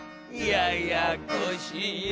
ややこしや。